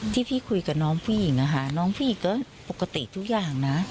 ที่พี่คุยกับน้องผู้หญิงนะคะน้องผู้หญิงก็ปกติทุกอย่างนะ